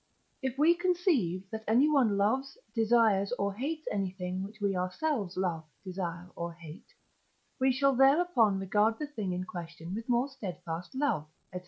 If we conceive that anyone loves, desires, or hates anything which we ourselves love, desire, or hate, we shall thereupon regard the thing in question with more steadfast love, &c.